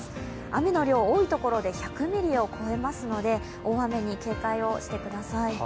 雨の量、多い所で１００ミリを超えますので大雨に警戒をしてください。